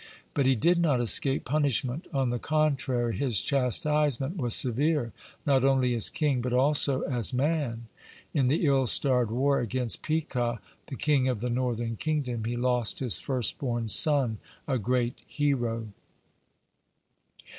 But he did not escape punishment; on the contrary, his chastisement was severe, not only as king but also as man. In the ill starred war against Pekah, the king of the northern kingdom, he lost his first born son, a great hero.